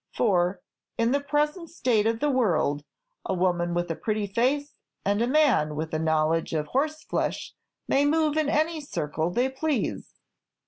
For, in the present state of the world, a woman with a pretty face, and a man with a knowledge of horseflesh, may move in any circle they please."